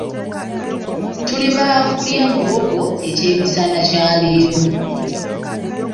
Tuli baakulya muwogo ekyemisana kya leero.